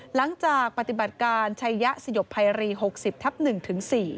หลังจากปฏิบัติการชัยยะสยบภัยรี๖๐ทับ๑ถึง๔